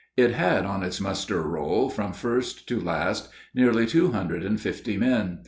It had on its muster roll, from first to last, nearly two hundred and fifty men.